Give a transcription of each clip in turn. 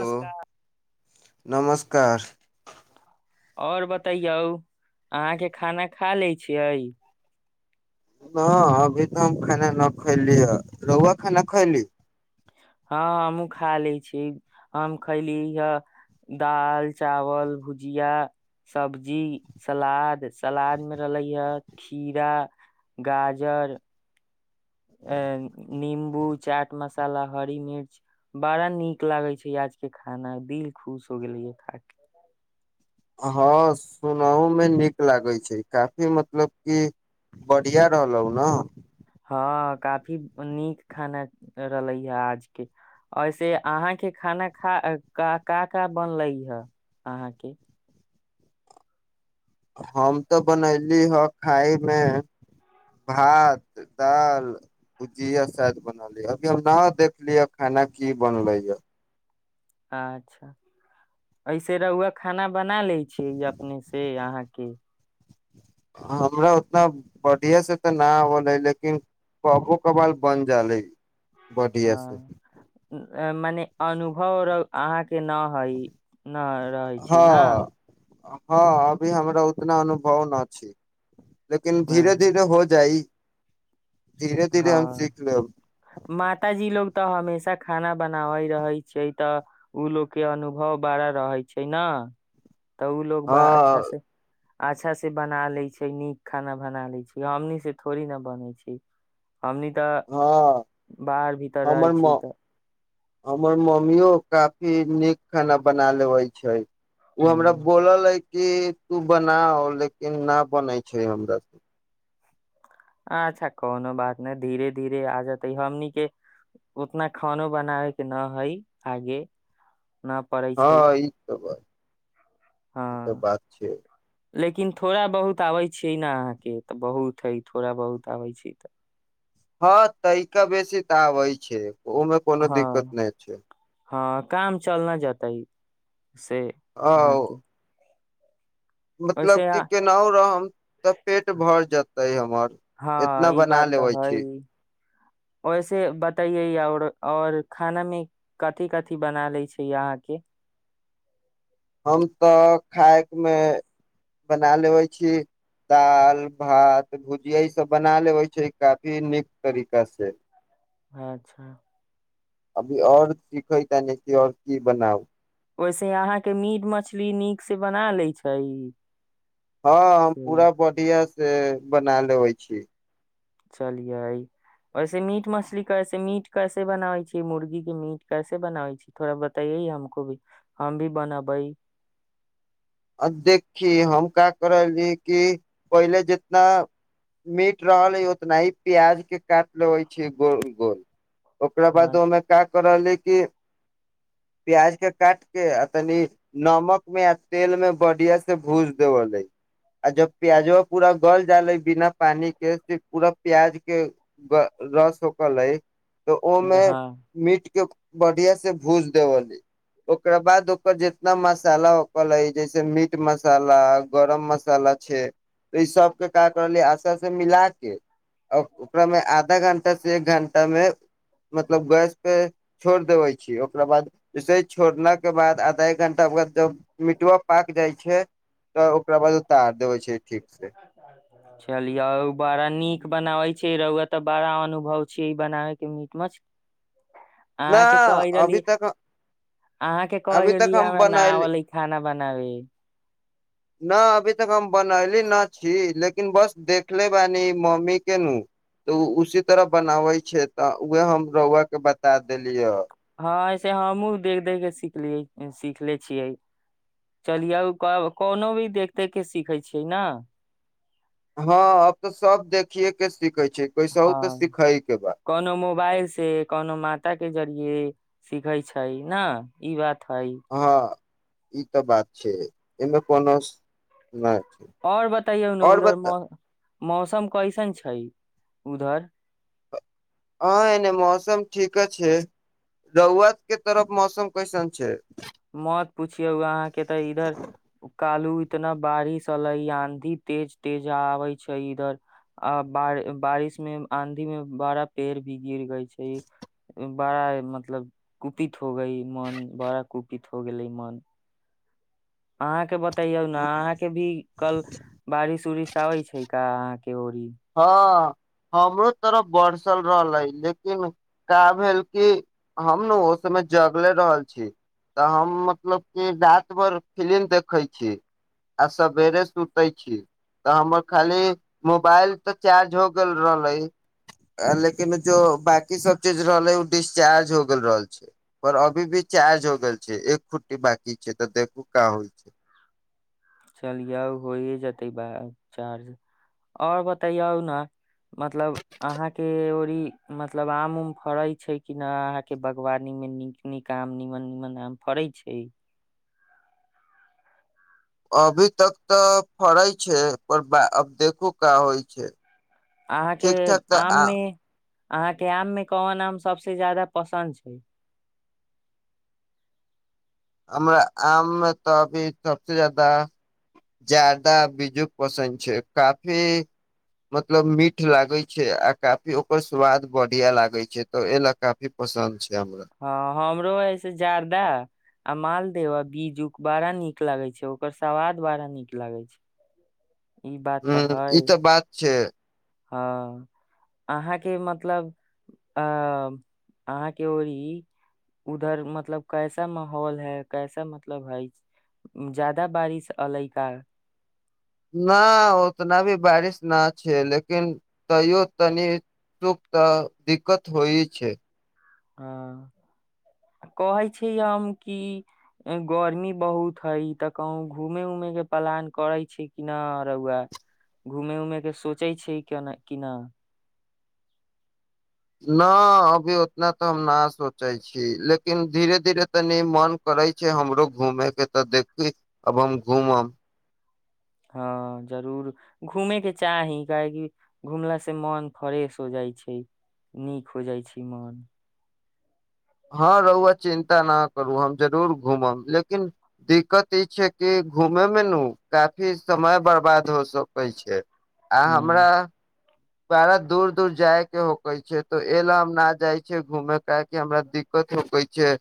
ह नमस्कार नमस्कार आओर बतैयौ अहााँके खाना खा लै छियै हं अभी तऽ हम खाना न खैली ह रौआ खाना खैली हँ हमहूँ खा लै छी हम खयली हए दालि चावल भुजिया सब्जी सलाद सलादमे रहलै हए खीरा गाजर अ नम ू चाट मसाला हरी मिर्च बड़ा नीक लागे छै आज के खाना दिल खुश हो गेले य खा के हँ सुनहो मे नीक लागैत छै काफी मतलब की बढ़िया रहलहुौ ने हँ काफी नीक खाना रहलै हे आज के से अहाँके खाना खा का का बनले हे अहाँके हम तऽ बनली हे खायमे भात दाल भुजिया शाय बनली अभी हम न देखली ह खाना की बनले हए अच्छा ऐसे रौआ खाना बना लै छियै अपने से अहाँके हमरा उतना बढ़िया से तऽ न होलै लेकिन कभो कबाल बन जालै बढ़ीयां से एं मने अनुभव अहाँके के न हइ न रहै छी हँ न हँ अभी हमरा उतना अनुभव न छै लेकिन धीरे धीरे हो जाइ धीरे धीरे हम हँ सिखऽ लेब माताजी लोग तऽ हमेशा खाना बनाबैत रहै छियै तऽ ओ लोकोग के अनुभव बड़ा रहै छै ने तब ओ लोग बा अच्छा हँ से अच्छा से बना लै छै नीक खाना बना ले छै हमनी से थोड़ी ने बने छै हमनी तऽ हँ बाहर भीतर हमर रहै छी म तऽ हमर मम्मियो काफी नीक खाना बना लेब छै ओ हमरा हम्म, बोललै कि तू बना लेकिन न बनै छै हमरा से अच्छा कोनो बात नहि धीरे धीरे आ जेतै हमने उतना खानो बनाबे के न हइ आगे न पड़ै छै हँ ई तऽ बर हँ तऽ बात छै लेकिन थोड़ा बहुत आबै छियै ने अहाँके तऽ बहुत हइ थोड़ा बहुत आबै छी तऽ हँ तैका बेसी तऽ आबै छै ओमे कोनो हँ दिक्कत नहि छै हँ काम चल न जेतै से हँ अहाँके मतलब ओहिसे कि केनाहु रहब तऽ पेट भर जेतै हमर हँ इतना ई बना बात तऽ लेबै छी हइ वैसे बतैयै आओर आओर खानामे कथी कथी बना लै छै अहाँके हम तऽ खायमे बना लेबै छी दालि भात भुजियासभ बना लेबै छी काफी नीक तरीकासँ अच्छा अभी आऔर सिखै त नस आऔर की बनाउ ओहिसे अहाँके मीट मछली नीक से बना लैत छै हँ पूरा बढ़िया से बना लेबै छी चलिये वैसे मीट मछली कैसे मीट कैसे बनाबै छै मुर्गी के मीट कैसे बनाबै छी थोड़ा बतैये हमको भी हम भी बनबै देखि हम क करी कि पहिले जितना मीट रहल है उतना ही प्याज के काट लेबै छी गोल गोल ओकरा हँ बाद ओहिमे का कर रहलीै कि प्याज के काट के आ तनि नमक मे तेल में बढ़िया से भूज देवल है आ जब प्याजो पूरा गल जाले बिना पानी के फिर पूरा प्याज के रस होक लै तऽ ओमे मीटके बढ़िया से भूज देवल है ओकरा बाद ओकर जितना मसाला कहल जैसे मीट मसाला गरम मसाला छै तऽ ई सबके का केलियै आछासे मिला के आ ओकरामे आधा घण्टा से एक घण्टा मे मतलब गैस पे छोड़ देबे छी ओकरा बाद जैसे छोड़ना के बाद आधा एक घण्टा बाद जब मिटवा पाक जाइ छै तऽ ओकरा बाद उतार देवे छै ठीक से चलियौ बड़ा नीक बनाबै छी रौआ तऽ बड़ा अनुभव छी ई बनाबै के मीट मछली न अहाँके कहै रहली अभी तक अहाँके कहै अभी तक रहली हम हमरा ना बनैली आवेला खाना बनाबी न अभी तक हम बनली न छी लेकिन बस देखले बानी मम्मी के नू तऽ ओ उसी तरह बनाबै छै तऽ उहे हम रौआ के बता देलियै हँ ऐसे हमूँ देख देख के सिखलियै सिखले छियै चलियै कोनो भी देख देख के सीखै छियै ने हँ अब तऽ सब देखिए के सीखे छै कैसहु तऽ हँ सिखै के बा कोनो मोबाइल से कोनो माता के ज सिखै छै ने ई बात हइ हँ ई तऽ बात छै एमे कोनो नहि छै आओर बताइयौ ने आओर उधर बता म मौसम कैसन छै उधर हँ एने मौसम ठीक छै रौआक तरफ मौसम कैसन छै मौत पूछियौ अहाँके तऽ इधर कालू इतना बारिश एलै आंधी तेज तेज आबे छै इधर आ बारिश मे आंधी में बड़ा पेड़ भी गिर गई छै बड़ा मतलब कुपित हो गई मन बड़ा कु पीत हो गेलै मन अहाँके बत तैयौ ने अहाँके भी कल बारिश उरिश इच्छा होइ छै का अहाँके ओरी हँ हमरो तरफ बरसल रहलै अइ लेकिन का भेल कि हम ने ओ सुबहे जगले रहल छी तऽ हम मतलब कि रात भर फिलिम देखैत छी आ सवेरे सुतै छी तऽ हमर खाली मोबाइल तऽ चार्ज हो गेल रहलै लेकिन जो बकी सब चीज रहले उ डिस्चार्ज हो गेल रहल छै परर अभी भी चार्ज हो गेल छै एक खुट्टी बकी छै तऽ देखू काँ होइ चलियौ होय जेतै बा चार्ज आओर बतैयौ ने मतलब अहाँके ओड़ी मतलब आम उम फड़ैत छै कि ने अहाँके बागवानी मे नीक नीक आम नीमन नीमन आम फड़ैत छै अभी तक तऽ फड़ै छै पर अब देखू का होइ छै अहाँके ठीक ठाक तऽ आम आ मे अहाँके आम मे कोन आम सबसे ज्यादा पसन्द छै हमरा आम मे तऽ अभी सबसे जादा जार्दा बीजू पसन्द छै काफी मतलब मीठ लागे छै आ काफी ओकर स्वाद बढ़िया लागे छै तऽ एहि लए काफी पसन्द छै हमरा हँ हमरो हमरो है से जार्दा आ मालदेह आ बीजू बड़ा नीक लागे छै ओकर स्वाद बड़ा नीक लागे छै ई बात ह तऽ ई है तऽ बात छै हँ, अहाँक मतलब अहाँक ओहि दिस उधरक माहौल केहन अछि? ओतय बेसी वर्षा भऽ रहल अछि कि नहि? नहि, एतेक बेसी वर्षा नहि अछि, मुदा तैयो तनि-तनि दिक्कत तऽ होइते अछि। हँ, हम तऽ कहैत छी जे गर्मी बहुत अछि। तऽ कहियो घूमय जाएबाक योजना बनबैत छी कि नहि? किनको घूमय जाएबाक सोचैत छी कि नहि? नहि, एखन तऽ एतेक नहि सोचैत छी। मुदा धीरे-धीरे मन करैत अछि। हमरो घूमयकेँ इच्छा होइत अछि। देखी, आब हमहुँ घूमय जाएब। हँ जरूर घूमेके चाही काहेकि घूमला से मन फ्रेश हो जाइ छै। नीक हो जाइ छै। मन हँ रहू, चिन्ता नहि करू। हम जरूर घूमब, मुदा दिक्कत ई छै जे घूमैमे ने काफी समय बर्बाद भऽ सकै छै। आ ह हमरा पारा दूर-दूर जाए पड़ैत छै, एहि लेल हम घूमए नहि जाइ छी, किएक तँ हमरा घूमए में दिक्कत होइत छै।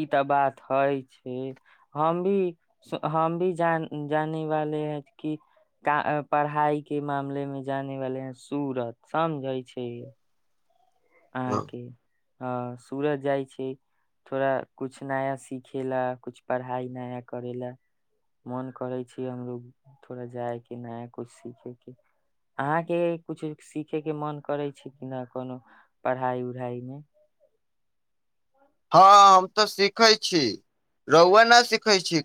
ई तँ बाते छै, हमहूँ जानि रहल छी जे पढ़ाइके मामलामे जे होएत, से परिस्थिति बुझाइत छै। आ हँ की हँ, सूरत जाइ छी, तऽ किछु नवका सिखबाक लेल, किछु नव पढ़ाइ करबाक लेल मन करैत छै। हमरा सेहो लगैत छै जे तनी सूरत जा कऽ किछु नव सीखल जाए। अहाँकेँ सेहो कोनो नव चीज सीखबाक मन करैत छै कि नहि? पढ़ाई उढ़ाई मे हँ हम तऽ सिखै छी रहुआ नहि सीखै छी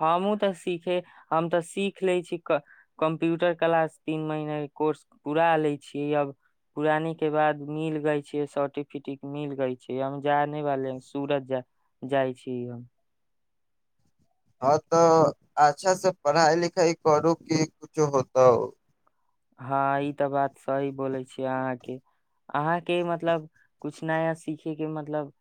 हमहूँ तँ सीखए छी, हम तँ सीखि लै छी। कम्प्यूटर क्लासक तीन महीनाक कोर्स पूरा कऽ लेने छी, आब पढ़ाइ पूरा भेलाक बाद हमरा सर्टिफिकेट सेहो भेटि गेल अछि। हम सूरत जाएब, हम जानि रहल छी जे सूरत जाएब। हँ तऽ अच्छा से पढ़ाइ लिखाइ करू कि किछु हेतु हँ ई तऽ बात सही बोलै छीिय अहाँके अहाँके मतलब कुछ नया सीखेके मतलब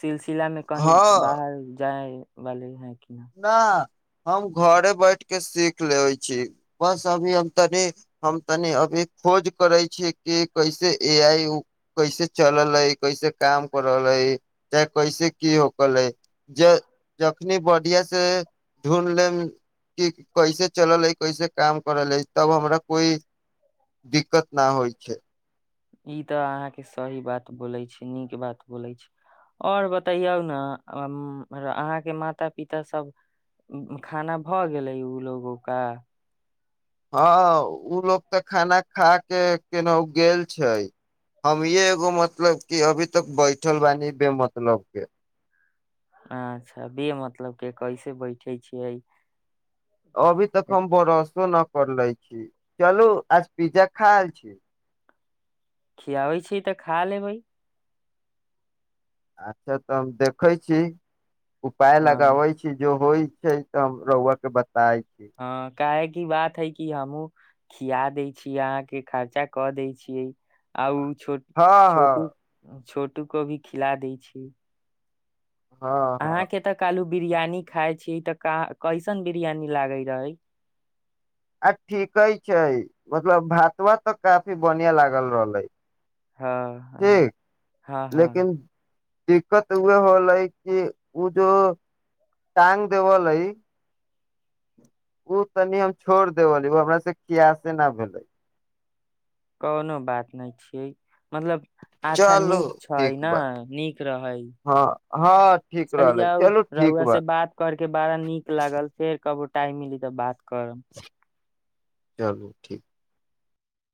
सिलसिलामे कहीं बाहर जाइ बली ह नहि हम घरे बैस कऽ सीखि लेब, बस एखन हम तनी खोज करैत छी जे एआई कृत्रिम बुद्धिमत्ता केना चलैत छै, केना काज करैत छै आ एकर उपयोग केना कएल जाइत छै। जेना जेना नीक सँ बुझाइत जाएत, तेना तेना हम सीखैत जाएब। से ढूढ लेब कि कैसे चलल है कैसे काम करल हइ तब हमरा कोइ दिक्कत न होइ छै ई तऽ अहाँके सही बात बोलै छै नीक बात बोलै छै आओर बतैयौ ने अहाँके माता पिता खाना भऽ गेलै ओ लोगोका हँ ओ लो तऽ खाना खा के केना गेल छै हम ये एगो मतलब कि अभी तक बैठल बानी बे मतलब के अच्छा मतलब के कैसे बैठे छियै अभी तक हम बरसो न कर ले छी चलू आज पिज़्ज़ा खा आल छी खियाबै छी तऽ खा लेबै अच्छा तऽ हम देखै छी उपाय हँ लगाबै छी जो होइ छै। तऽ हम रोआ के बता हँ काहे की बात है कि हमू खिया दै छियै अहाँके खर्चा कऽ दै छियै आउ हँ छोट छोट हँ छो कटू को भी खिला दै छै हँ हँ अहाँके तऽ कालू बिरियानी खाय छी। तऽ कैसन बिरियानी लागे रहै आ ठीके छै मतलब भात भात तऽ काफी बढ़िया लागल रहलै हँ ठीक हँ हँ लेकिन दिक्कत उह होलै कि उ जो टाँग देवल है ओ तनि हम छोड़ देबी ओ हमरा से क्यासे न भेलै कोनो बात नहि छियै मतलब अच्छा चलू नीक छै ठीक ने बा नीक रहै हँ हँ ठीक चलिय रहलै आ चलू ठीक रौआ बा से बात करके बड़ा नीक लागल फेर कब टाइम मिली तऽ बात करम चलू ठीक